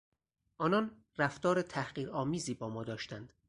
آنان رفتار تحقیرآمیزی با ما داشتند.